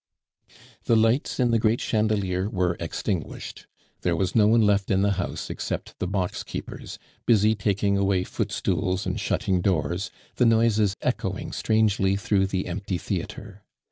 The lights in the great chandelier were extinguished; there was no one left in the house except the boxkeepers, busy taking away footstools and shutting doors, the noises echoing strangely through the empty theatre.